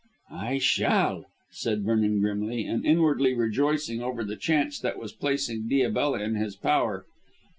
"I shall," said Vernon grimly, and inwardly rejoicing over the chance that was placing Diabella in his power.